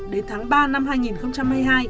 đến tháng ba năm hai nghìn hai mươi hai